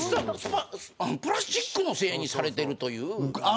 プラスチックのせいにされているという。